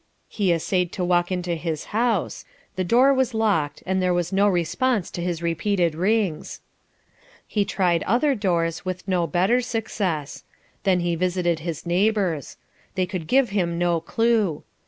He essayed to walk into his house. The door was locked, and there was no response to his repeated rings. He tried other doors with no better success; then he visited his neighbours. They could give him no clue.